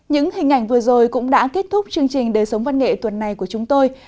những hình ảnh vừa rồi cũng đã kết thúc chương trình đời sống văn nghệ tuần này của chúng tôi